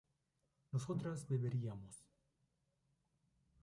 nosotras beberíamos